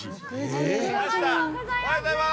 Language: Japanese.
おはようございます。